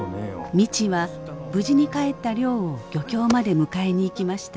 未知は無事に帰った亮を漁協まで迎えに行きました。